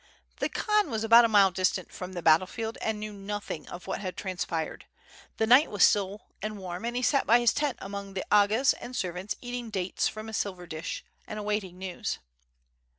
The Khan was about a mile distant from the battle field and knew nothing of what had transpired. The night was still and warm, and he sat by his tent among the agas and servants eating dates from a silver dish, and awaiting news.